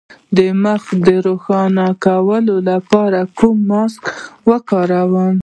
د مخ د روښانه کولو لپاره کوم ماسک وکاروم؟